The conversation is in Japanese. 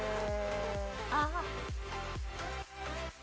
ああ。